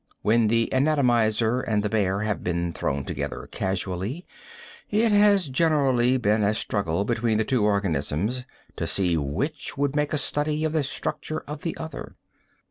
When the anatomizer and the bear have been thrown together casually, it has generally been a struggle between the two organisms to see which would make a study of the structure of the other.